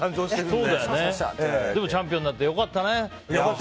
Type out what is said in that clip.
でもチャンピオンになって良かったね。